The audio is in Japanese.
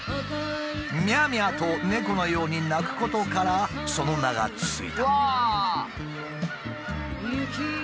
「ミャミャ」と猫のように鳴くことからその名が付いた。